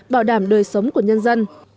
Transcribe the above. bảo đảm đời sống của nhân dân